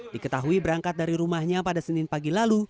diketahui berangkat dari rumahnya pada senin pagi lalu